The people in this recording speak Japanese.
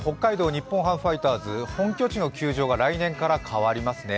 日本ハムファイターズ、本拠地の球場が来年からかわりますね。